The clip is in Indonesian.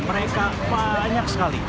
mereka banyak sekali